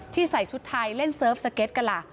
ใส่ชุดไทยเล่นเซิร์ฟสเก็ตกันล่ะ